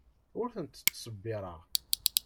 Ur ten-ttṣebbireɣ.